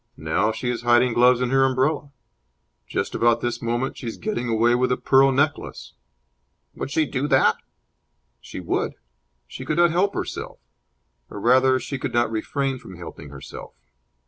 'Now she is hiding gloves in her umbrella!' 'Just about this moment she is getting away with a pearl necklace!'" "Would she do that?" "She would! She could not help herself. Or, rather, she could not refrain from helping herself.